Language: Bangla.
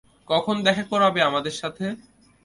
কখন দেখা করাবে আমাদের সাথে?